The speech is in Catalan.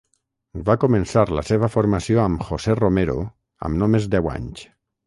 Va començar la seva formació amb José Romero amb només deu anys.